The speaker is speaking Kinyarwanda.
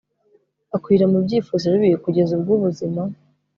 akurira mu byifuzo bibi kugeza ubwo ubuzima